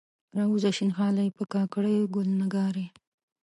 راووځه شین خالۍ، په کاکړیو ګل نګارې